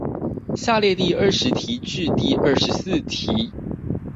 下列第二十題至第二十四題